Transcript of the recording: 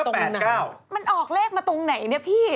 มันออกเลขมาตรงไหนเนี่ยพี่